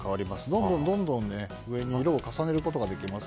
どんどん上に色を重ねることができます。